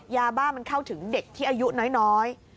ยาบ้ามันเข้าถึงเด็กที่อายุน้อย